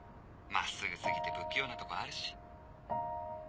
真っすぐ過ぎて不器用なとこあるし。